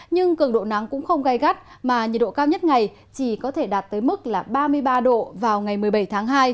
nhưng cường độ nắng cũng không gai gắt mà nhiệt độ cao nhất ngày chỉ có thể đạt tới mức là ba mươi ba độ vào ngày một mươi bảy tháng hai